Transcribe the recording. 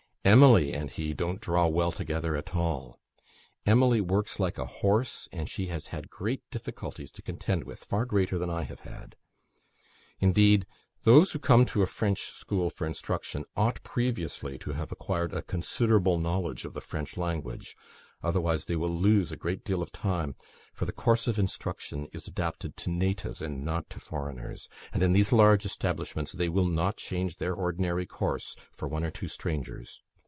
Emily and he don't draw well together at all. Emily works like a horse, and she has had great difficulties to contend with far greater than I have had. Indeed, those who come to a French school for instruction ought previously to have acquired a considerable knowledge of the French language, otherwise they will lose a great deal of time, for the course of instruction is adapted to natives and not to foreigners; and in these large establishments they will not change their ordinary course for one or two strangers.